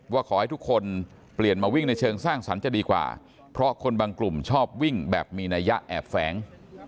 ว่าขอให้ทุกคนเปลี่ยนมาวิ่งในเชิงสร้างสรรค์จะดีกว่าเพราะคนบางกลุ่มชอบวิ่งแบบมีนัยยะแอบแฝง